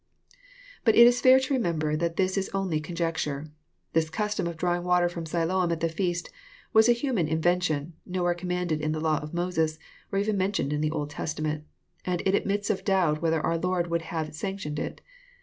— But it is fair to remember that this is only conjecture. This custom of drawing water from Siloam at the feast was a human invention, nowhere commanded in the law of Moses, or even mentioned in the Old Testament; and it admits of doubt whether our Lord would have sanctioned it.